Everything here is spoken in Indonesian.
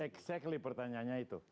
exactly pertanyaannya itu